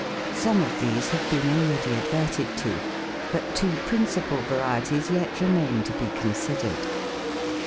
Some of these have l)een already adverted to, but two prin cipal varieties yet remain to be considered.